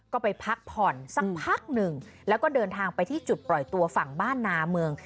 ก็ไปพักผ่อนสักพักหนึ่งแล้วก็เดินทางไปที่จุดปล่อยตัวฝั่งบ้านนาเมือง